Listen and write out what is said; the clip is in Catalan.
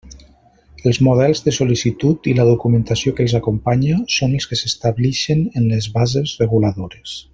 Els models de sol·licitud i la documentació que els acompanya són els que s'establixen en les bases reguladores.